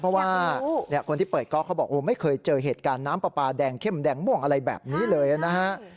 เพราะว่าคนที่เปิดก๊อกเขาบอกไม่เคยเจอเหตุการณ์น้ำปลาปลาแดงเข้มแดงม่วงอะไรแบบนี้เลยนะฮะ